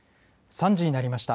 ３時になりました。